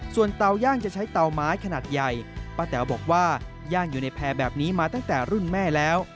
ส่วนเตาย่างจะใช้เตาไม้ขนาดใหญ่ป้าแต๋วบอกว่าย่างอยู่ในแพร่แบบนี้มาตั้งแต่รุ่นแม่แล้ว